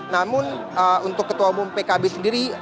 namun untuk ketua umum pkb sendiri